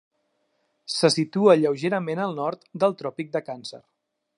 Se situa lleugerament al nord del Tròpic de Càncer.